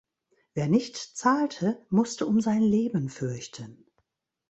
Wer nicht zahlte, musste um sein Leben fürchten.